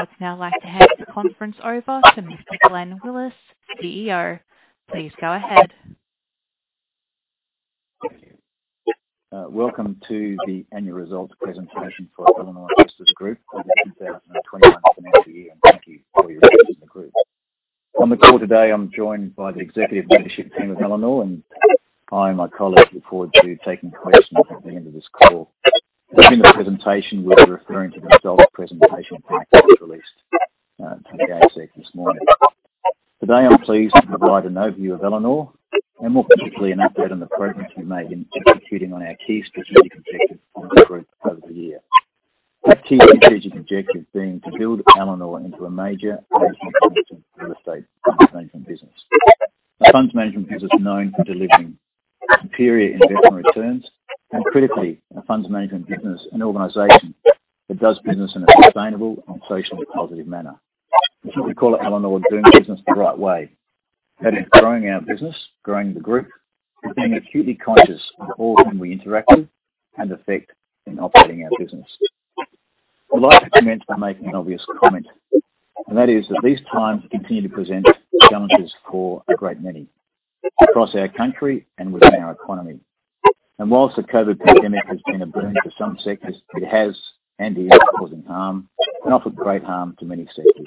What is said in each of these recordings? I'd now like to hand the conference over to Mr. Glenn Willis, CEO. Please go ahead. Thank you. Welcome to the annual results presentation for Elanor Investors Group for the 2021 financial year. Thank you for your interest in the group. On the call today, I'm joined by the executive leadership team of Elanor. I and my colleagues look forward to taking questions at the end of this call. During the presentation, we'll be referring to the results presentation pack that was released to the ASX this morning. Today, I'm pleased to provide an overview of Elanor and more particularly an update on the progress we've made in executing on our key strategic objectives for the group over the year. That key strategic objective being to build Elanor into a major and independent real estate funds management business. A funds management business known for delivering superior investment returns and critically, a funds management business and organization that does business in a sustainable and socially positive manner, which we call at Elanor, doing business the right way. That is growing our business, growing the group, and being acutely conscious of all whom we interact with and affect in operating our business. I'd like to commence by making an obvious comment, that is that these times continue to present challenges for a great many across our country and within our economy. Whilst the COVID pandemic has been a boon for some sectors, it has and is causing harm and often great harm to many sectors.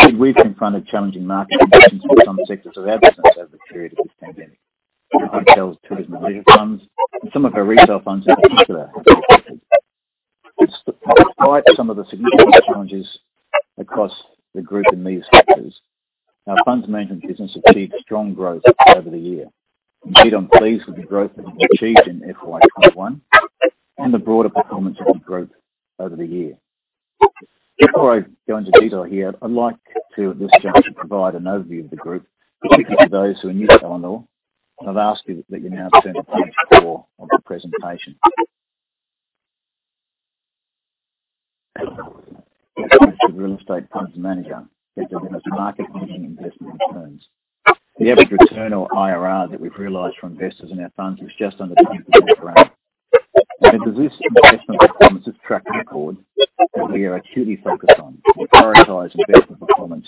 Indeed, we've confronted challenging market conditions for some sectors of our business over the period of this pandemic. Our hotels, tourism, and leisure funds, and some of our retail funds in particular have been affected. Despite some of the significant challenges across the group in these sectors, our funds management business achieved strong growth over the year. Indeed, I'm pleased with the growth that we've achieved in FY21 and the broader performance of the group over the year. Before I go into detail here, I'd like to at this juncture provide an overview of the group, particularly those who are new to Elanor. I'd ask that you now turn to page 4 of the presentation. As a real estate funds manager, we deliver market-leading investment returns. The average return or IRR that we've realized for investors in our funds was just under 10% for the year. It is this investment performance, this track record, that we are acutely focused on. We prioritize investment performance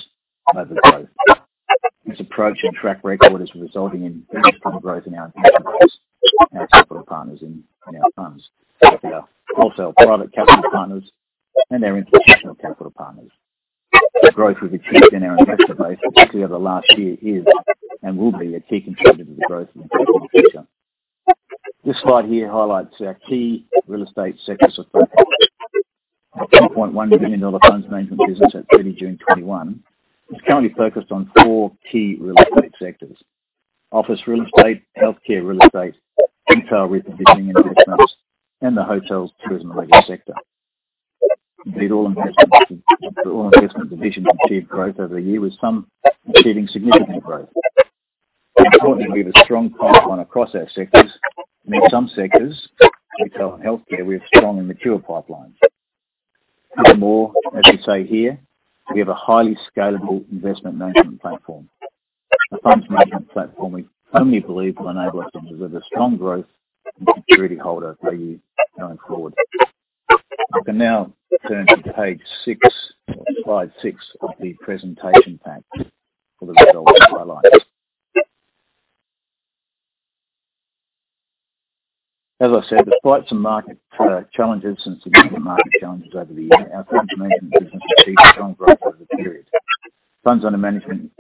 over growth. This approach and track record is resulting in exponential growth in our investor base and our capital partners in our funds, that is our wholesale private capital partners and our institutional capital partners. The growth we've achieved in our investor base particularly over the last year is and will be a key contributor to the growth in the foreseeable future. This slide here highlights our key real estate sectors of focus. Our 10.1 billion dollar funds management business at 30 June 2021 is currently focused on four key real estate sectors: office real estate, healthcare real estate, retail repositioning and mixed use, and the hotels, tourism, and leisure sector. Indeed, all investment divisions achieved growth over the year with some achieving significant growth. Importantly, we have a strong pipeline across our sectors and in some sectors, retail and healthcare, we have strong and mature pipelines. Furthermore, as we say here, we have a highly scalable investment management platform. A funds management platform we firmly believe will enable us to deliver strong growth for security holders for years going forward. I can now turn to page 6 or slide 6 of the presentation pack for the results highlights. As I said, despite some market challenges and significant market challenges over the year, our funds management business achieved strong growth over the period. Funds under management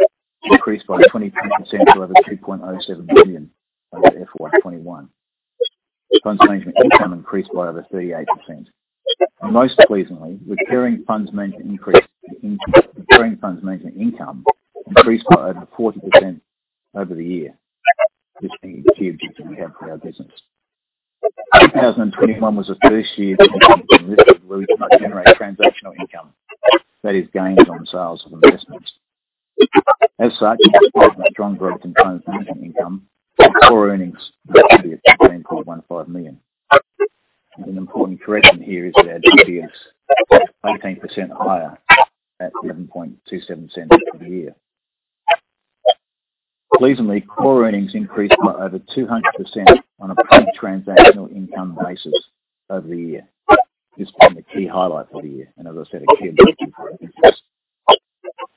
increased by 23% to over 3.07 billion over FY21. Funds management income increased by over 38%. Most pleasingly, recurring funds management income increased by over 40% over the year. This is a key objective that we have for our business. 2021 was the first year that Elanor invested where we could not generate transactional income, that is gains on sales of investments. As such, in spite of that strong growth in funds management income, core earnings were actually at 10.15 million. An important correction here is that our DPS is 18% higher at 0.1127 for the year. Pleasingly, core earnings increased by over 200% on a post-transactional income basis over the year. This being the key highlight for the year and as I said, a key objective for our business.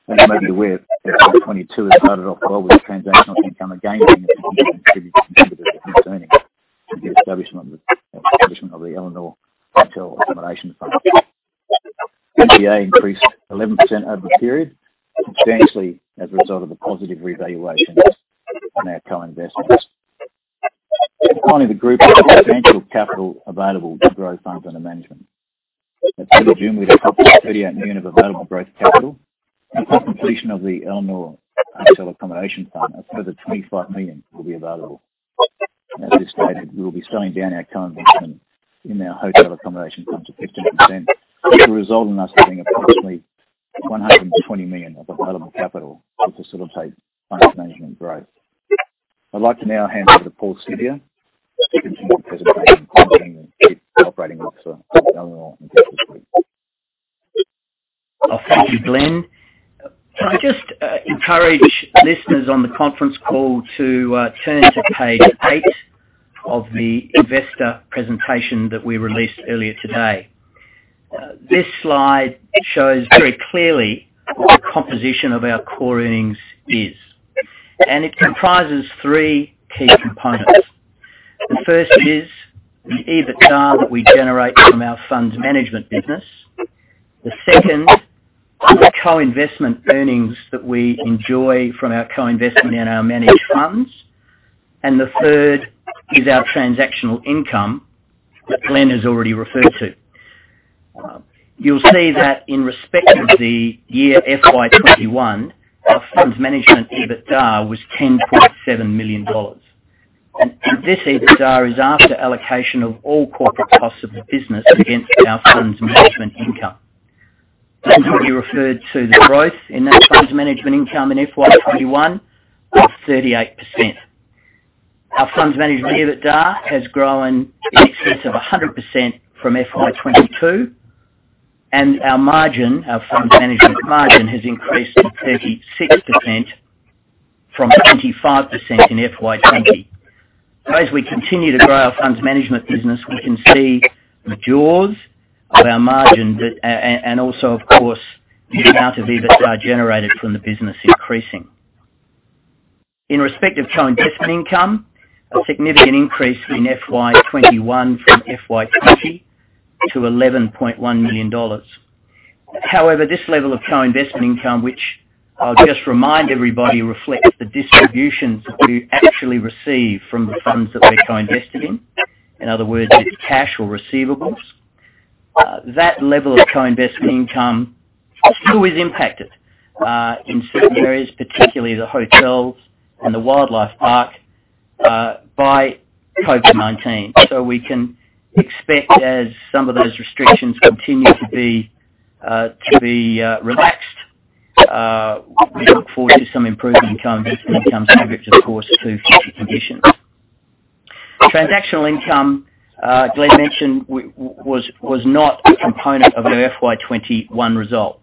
As you may be aware that 2022 has started off well with transactional income again being a significant contributor to earnings with the establishment of the Elanor Hotel Accommodation Fund. NTA increased 11% over the period, substantially as a result of the positive revaluations on our current investments. Importantly, the group has substantial capital available to grow funds under management. At 30 June, we had approximately 38 million of available growth capital, and upon completion of the Elanor Hotel Accommodation Fund, a further 25 million will be available. As we stated, we will be selling down our current investment in our Elanor Hotel Accommodation Fund to 15%, which will result in us having approximately 120 million of available capital to facilitate funds management growth. I'd like to now hand over to Paul Siviour to continue the presentation, including the Chief Operating Officer of Elanor Investors Group. Thank you, Glenn, can I just encourage listeners on the conference call to turn to page 8 of the investor presentation that we released earlier today? This slide shows very clearly what the composition of our core earnings is. It comprises three key components. The first is the EBITDA that we generate from our funds management business. The second is the co-investment earnings that we enjoy from our co-investment in our managed funds. The third is our transactional income that Glenn has already referred to. You'll see that in respect of the year FY 2021, our funds management EBITDA was 10.7 million dollars. This EBITDA is after allocation of all corporate costs of the business against our funds management income. Glenn's already referred to the growth in that funds management income in FY 2021 of 38%. Our funds management EBITDA has grown in excess of 100% from FY 2020, and our margin, our funds management margin, has increased to 36% from 25% in FY 2020. As we continue to grow our funds management business, we can see the jaws of our margin and also, of course, the amount of EBITDA generated from the business increasing. In respect of co-investment income, a significant increase in FY 2021 from FY 2020 to 11.1 million dollars. However, this level of co-investment income, which I'll just remind everybody, reflects the distributions that we actually receive from the funds that we're co-invested in. In other words, it's cash or receivables. That level of co-investment income still is impacted in certain areas, particularly the hotels and the wildlife park, by COVID-19. We can expect, as some of those restrictions continue to be relaxed, we look forward to some improved income, but income's subject, of course, to future conditions. Transactional income, Glenn mentioned, was not a component of our FY21 result.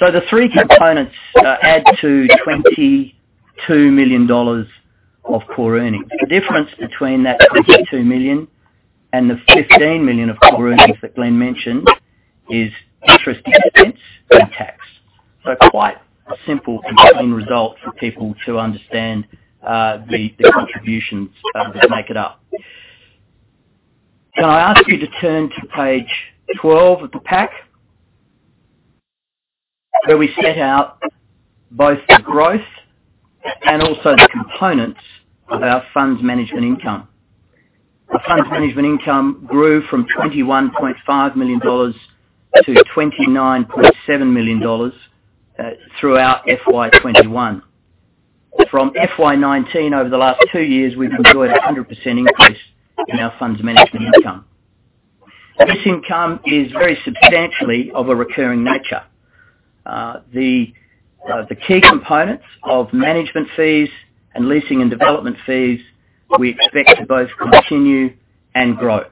The three components add to 22 million dollars of core earnings. The difference between that 22 million and the 15 million of core earnings that Glenn mentioned is interest expense and tax. Quite a simple, compelling result for people to understand the contributions that make it up. Can I ask you to turn to page 12 of the pack, where we set out both the growth and also the components of our funds management income. The funds management income grew from AUD 21.5 million to AUD 29.7 million throughout FY21. From FY19, over the last two years, we've enjoyed a 100% increase in our funds management income. This income is very substantially of a recurring nature. The key components of management fees and leasing and development fees, we expect to both continue and grow.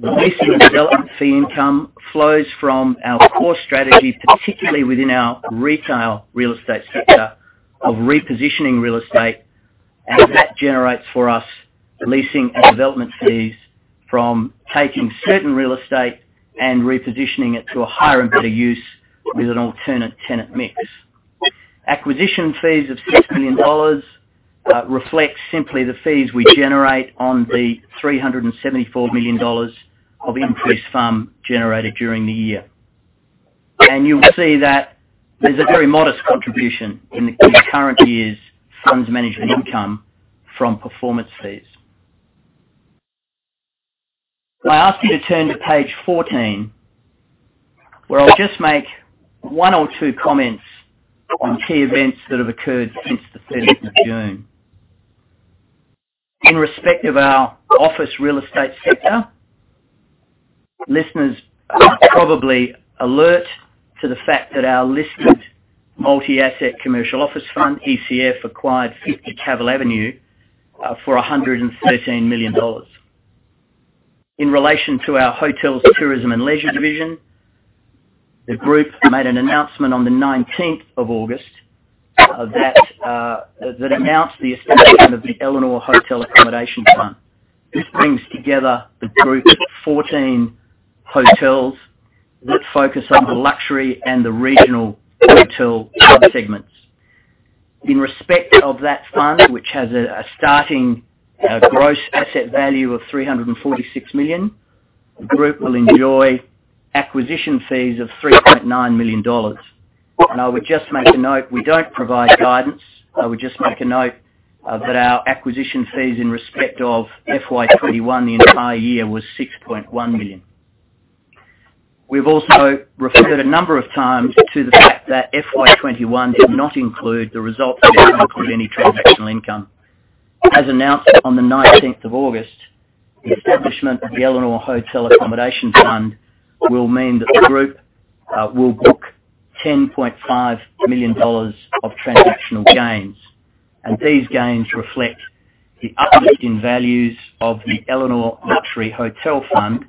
The leasing and development fee income flows from our core strategy, particularly within our retail real estate sector, of repositioning real estate, and that generates for us leasing and development fees from taking certain real estate and repositioning it to a higher and better use with an alternate tenant mix. Acquisition fees of 6 million dollars reflects simply the fees we generate on the 374 million dollars of increased FUM generated during the year. You'll see that there's a very modest contribution in this current year's funds management income from performance fees. Can I ask you to turn to page 14, where I'll just make one or two comments on key events that have occurred since the 3rd of June. In respect of our office real estate sector, listeners are probably alert to the fact that our listed multi-asset commercial office fund, ECF, acquired 50 Cavill Avenue for 113 million dollars. In relation to our hotels, tourism, and leisure division, the group made an announcement on the 19th of August that announced the establishment of the Elanor Hotel Accommodation Fund. This brings together the group's 14 hotels that focus on the luxury and the regional hotel sub-segments. In respect of that fund, which has a starting gross asset value of 346 million, the group will enjoy acquisition fees of 3.9 million dollars. I would just make a note, we don't provide guidance. I would just make a note that our acquisition fees in respect of FY 2021, the entire year, was 6.1 million. We've also referred a number of times to the fact that FY21 did not include the results that would have included any transactional income. As announced on the 19th of August, the establishment of the Elanor Hotel Accommodation Fund will mean that the group will book 10.5 million dollars of transactional gains. These gains reflect the uplift in values of the Elanor Luxury Hotel Fund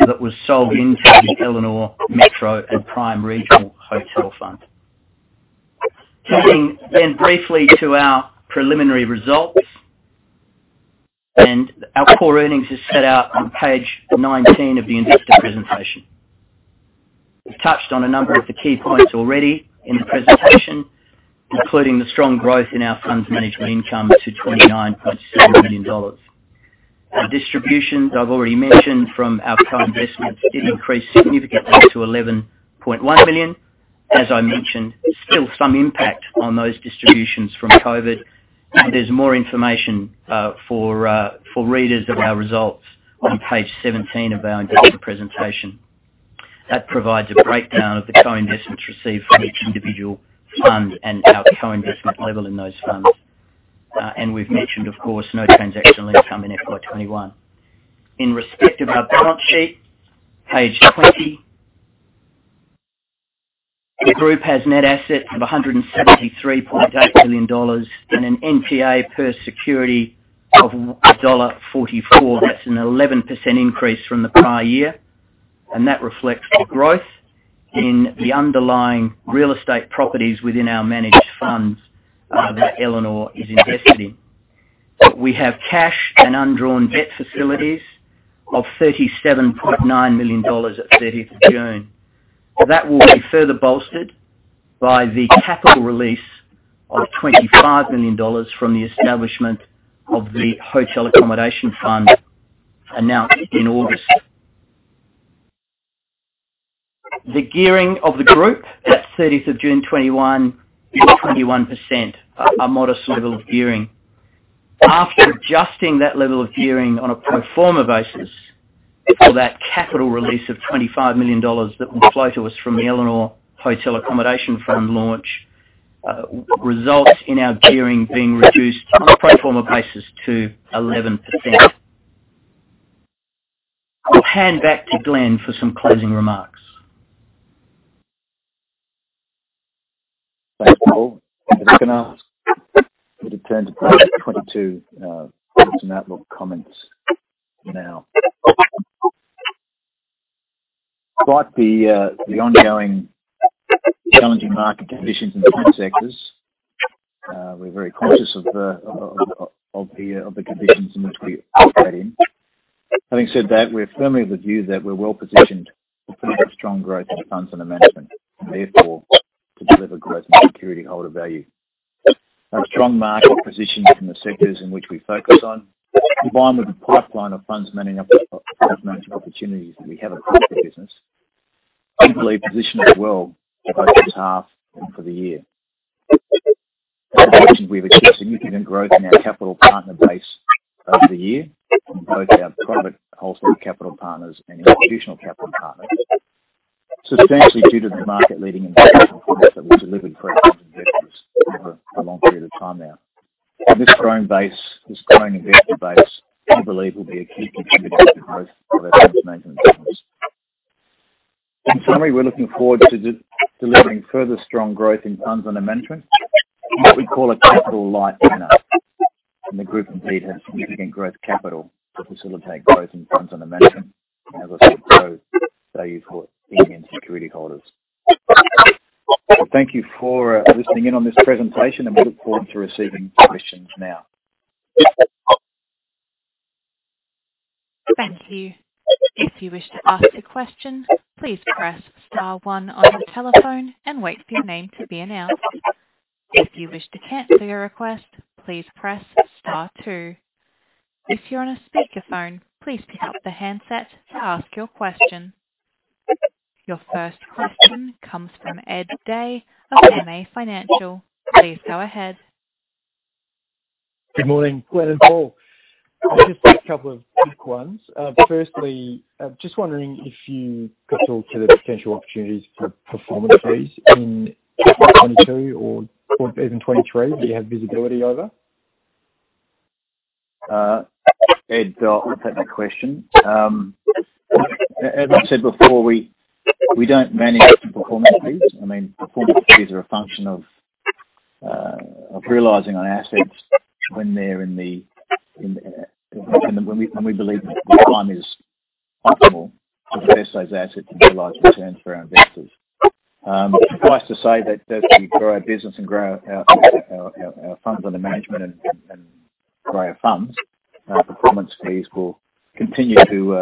that was sold into the Elanor Metro and Prime Regional Hotel Fund. Turning briefly to our preliminary results, our core earnings is set out on page 19 of the investor presentation. We've touched on a number of the key points already in the presentation, including the strong growth in our funds management income to 29.7 million dollars. Our distributions, I've already mentioned from our co-investments, did increase significantly to 11.1 million. As I mentioned, still some impact on those distributions from COVID, there's more information for readers of our results on page 17 of our investor presentation. That provides a breakdown of the co-investments received from each individual fund and our co-investment level in those funds. We've mentioned, of course, no transaction fees come in FY21. In respect of our balance sheet, page 20. The group has net assets of 173.8 million dollars and an NTA per security of dollar 1.44. That's an 11% increase from the prior year, that reflects the growth in the underlying real estate properties within our managed funds that Elanor is invested in. We have cash and undrawn debt facilities of 37.9 million dollars at 30th June. That will be further bolstered by the capital release of 25 million dollars from the establishment of the Elanor Hotel Accommodation Fund announced in August. The gearing of the group at 30th of June 2021 is 21%, a modest level of gearing. After adjusting that level of gearing on a pro forma basis for that capital release of 25 million dollars that will flow to us from the Elanor Hotel Accommodation Fund launch, results in our gearing being reduced on a pro forma basis to 11%. I'll hand back to Glenn for some closing remarks. Thanks, Paul. I'm just going to turn to page 22, prospects and outlook comments now. Despite the ongoing challenging market conditions in some sectors, we're very conscious of the conditions in which we operate in. Having said that, we're firmly of the view that we're well-positioned for further strong growth in funds under management and therefore to deliver growth in security holder value. Our strong market position in the sectors in which we focus on, combined with the pipeline of funds management opportunities that we have across the business, we believe positions us well for both this half and for the year. As I mentioned, we've achieved significant growth in our capital partner base over the year in both our private wholesale capital partners and institutional capital partners, substantially due to the market-leading investment products that we've delivered for our investors over a long period of time now. This growing investor base, I believe, will be a key contributor to growth in our funds management business. In summary, we're looking forward to delivering further strong growth in funds under management in what we call a capital light manner, and the group indeed has significant growth capital to facilitate growth in funds under management and as a result, grow value for EIG and security holders. Thank you for listening in on this presentation, and we look forward to receiving questions now. Thank you. If you wish to ask a question please press star one on your telephone and wait for your name to be announced. If you wish to cancel your request please press star two. If you are on a speaker phone please pick up your handset to ask your question. Your first question comes from Ed Day of MA Financial. Please go ahead. Good morning, Glenn and Paul. I'll just ask a couple of quick ones. Firstly, just wondering if you could talk to the potential opportunities for performance fees in FY20 or even FY 2023 that you have visibility over? Ed, I'll take that question. As I said before, we don't manage performance fees. I mean, performance fees are a function of realizing on assets when we believe the time is optimal to invest those assets and realize returns for our investors. Suffice to say that as we grow our business and grow our funds under management and grow our funds, our performance fees will continue to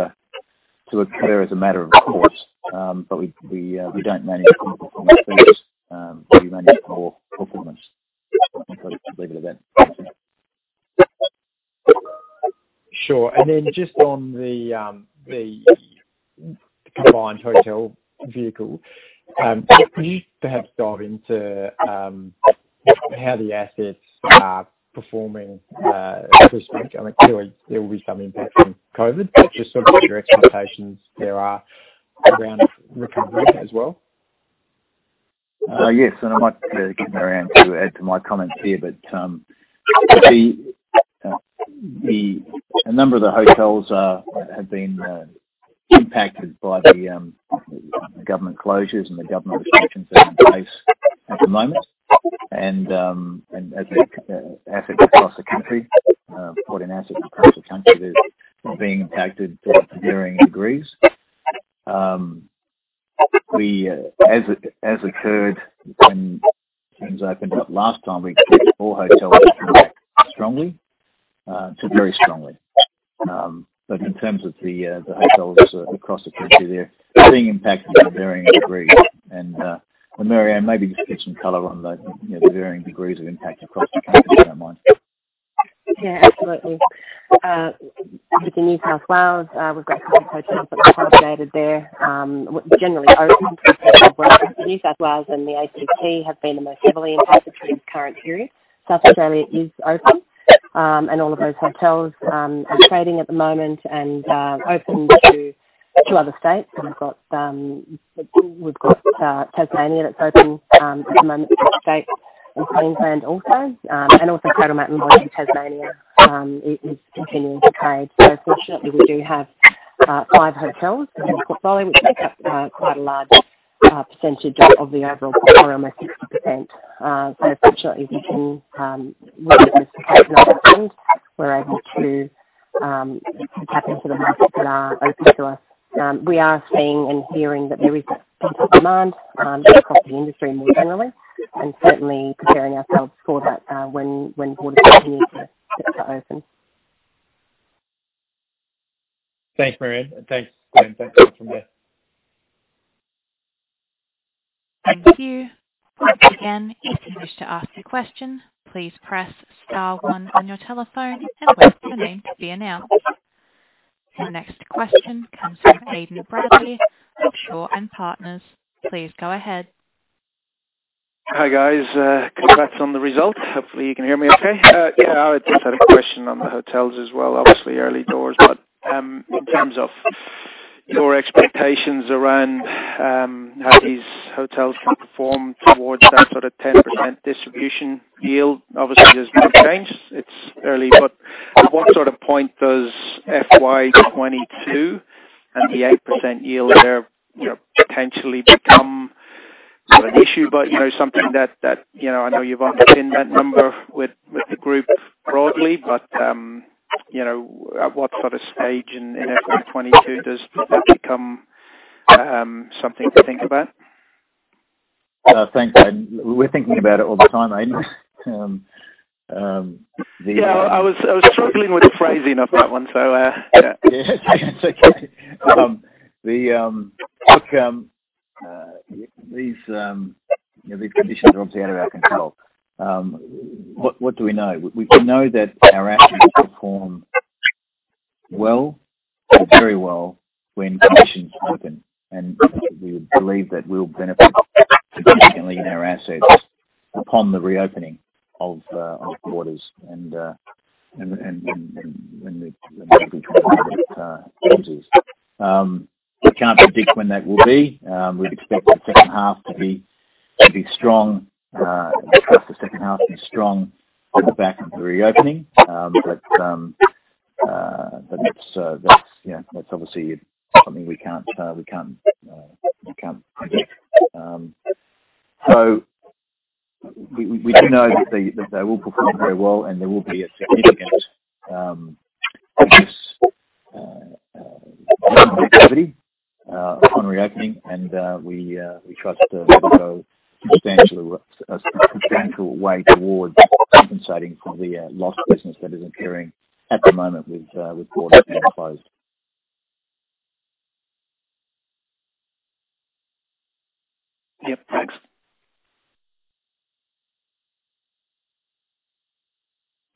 occur as a matter of course. We don't manage performance fees. We manage for performance. I think I'll leave it at that. Thank you. Sure. Then just on the combined hotel vehicle, can you perhaps dive into how the assets are performing at this point? I mean, clearly there will be some impact from COVID, but just sort of what your expectations there are around recovery as well. Yes, I might get Marianne to add to my comments here, but a number of the hotels have been impacted by the government closures and the government restrictions that are in place at the moment, and as assets across the country that are being impacted to varying degrees. As occurred when things opened up last time, we saw hotels come back strongly to very strongly. In terms of the hotels across the country, they're being impacted to varying degrees. Marianne, maybe just give some color on the varying degrees of impact across the country, if you don't mind. Yeah, absolutely. With the New South Wales, we've got a couple hotels that were contemplated there, generally open compared to New South Wales and the ACT have been the most heavily impacted through this current period. South Australia is open, and all of those hotels are trading at the moment and open to other states. We've got Tasmania that's open at the moment to other states, and Queensland also. Also Cradle Mountain Lodge in Tasmania is continuing to trade. Fortunately, we do have five hotels in our portfolio, which make up quite a large percentage of the overall portfolio, almost 60%. Fortunately, we can leverage those to take another fund. We're able to tap into the markets that are open to us. We are seeing and hearing that there is potential demand across the industry more generally, and certainly preparing ourselves for that when borders continue to open. Thanks, Marianne, and thanks, Glenn. Thanks very much, indeed. Thank you. Once again, if you wish to ask a question, please press star one on your telephone and wait for your name to be announced. Your next question comes from Aiden Bradley of Shaw and Partners. Please go ahead. Hi, guys. Congrats on the result. Hopefully you can hear me okay. I just had a question on the hotels as well, obviously early doors, but in terms of your expectations around how these hotels can perform towards that 10% distribution yield. Obviously, there's been no change. It's early. At what point does FY 2022 and the 8% yield there potentially become not an issue, but something that I know you've underpinned that number with the group broadly, but at what stage in FY 2022 does that become something to think about? Thanks, Aiden. We're thinking about it all the time, Aiden. Yeah, I was struggling with the phrasing of that one. Yeah, it's okay. Look, these conditions are obviously out of our control. What do we know? We know that our assets perform well to very well when conditions open, and we would believe that we'll benefit significantly in our assets upon the reopening of borders and when the market comes out of its freezes. We can't predict when that will be. We'd expect the second half to be strong as we back into the reopening. That's obviously something we can't predict. We do know that they will perform very well, and there will be a significant increase in activity upon reopening, and we trust to go a substantial way towards compensating for the lost business that is occurring at the moment with borders being closed. Yep. Thanks.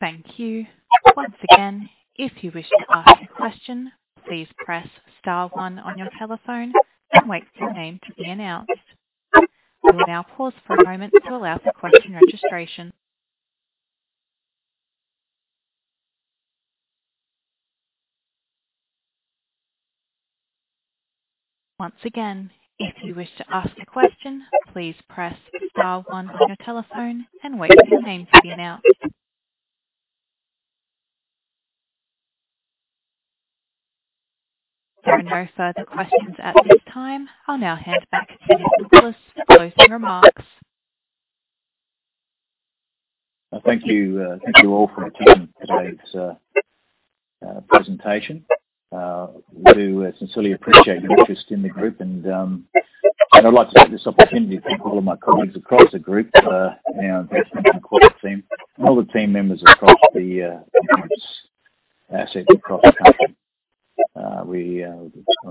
Thank you. Once again, if you wish to ask a question, please press star one on your telephone and wait for your name to be announced. I will now pause for a moment to allow for question registration. Once again, if you wish to ask a question, please press star one on your telephone and wait for your name to be announced. There are no further questions at this time. I'll now hand back to Glenn Willis for closing remarks. Thank you all for attending today's presentation. We do sincerely appreciate your interest in the group, and I'd like to take this opportunity to thank all of my colleagues across the group, our investment and quality team, and all the team members across the group's assets across the country. We are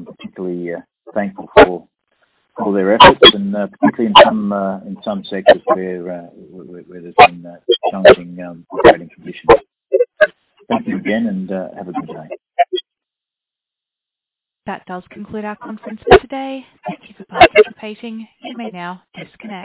particularly thankful for all their efforts and particularly in some sectors where there's been challenging trading conditions. Thank you again, and have a good day. That does conclude our conference for today. Thank you for participating. You may now disconnect.